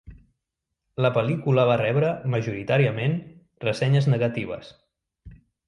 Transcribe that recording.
La pel·lícula va rebre majoritàriament ressenyes negatives.